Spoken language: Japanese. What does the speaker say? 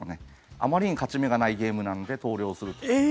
あまりに勝ち目がないゲームなので投了をすると。